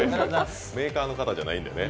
メーカーの方じゃないんでね。